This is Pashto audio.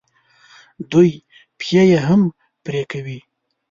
دوی پښې یې هم پرې کوي.